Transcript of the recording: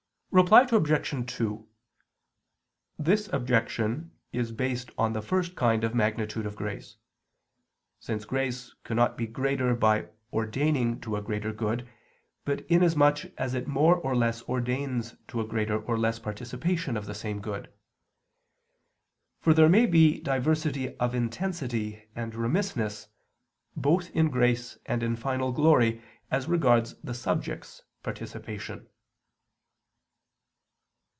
Reply Obj. 2: This objection is based on the first kind of magnitude of grace; since grace cannot be greater by ordaining to a greater good, but inasmuch as it more or less ordains to a greater or less participation of the same good. For there may be diversity of intensity and remissness, both in grace and in final glory as regards the subjects' participation.